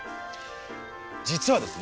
実はですね